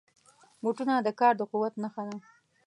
بوټونه د کار د قوت نښه ده.